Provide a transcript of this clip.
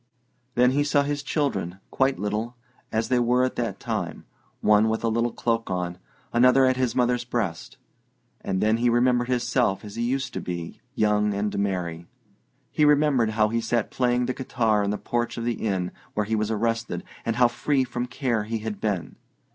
Then he saw his children, quite little, as they were at that time: one with a little cloak on, another at his mother's breast. And then he remembered himself as he used to be young and merry. He remembered how he sat playing the guitar in the porch of the inn where he was arrested, and how free from care he had been.